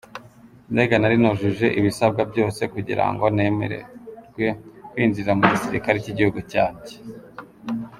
Mbega nari nujuje ibisabwa byose kugira ngo nemererwe kwinjira mu gisilikari cy’igihugu cyanjye.